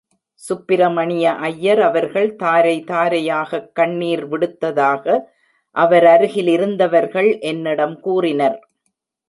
சுப்பிரமணிய அய்யர் அவர்கள் தாரை தாரையாகக் கண்ணீர் விடுத்ததாக அவரருகிலிருந்தவர்கள் என்னிடம் கூறினர்.